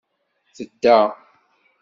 Tedda.